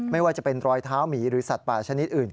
ไม่ว่าจะเป็นรอยเท้าหมีหรือสัตว์ป่าชนิดอื่น